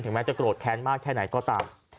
แม้จะโกรธแค้นมากแค่ไหนก็ตาม